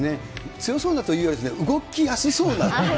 強そうなという動きやすそうな。